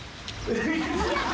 えっ？